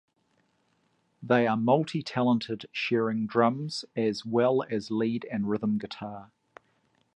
They are multi-talented, sharing drums as well as lead and rhythm guitar.